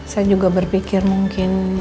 saya juga berpikir mungkin